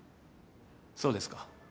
そうですか。